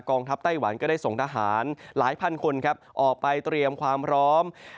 ทัพไต้หวันก็ได้ส่งทหารหลายพันคนครับออกไปเตรียมความพร้อม